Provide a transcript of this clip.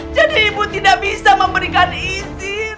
jadi ibu tidak bisa memberikan izin